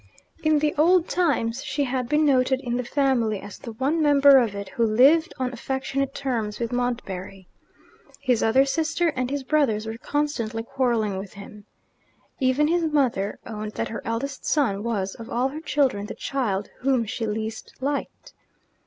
In the old times, she had been noted in the family as the one member of it who lived on affectionate terms with Montbarry. His other sister and his brothers were constantly quarrelling with him. Even his mother owned that her eldest son was of all her children the child whom she least liked.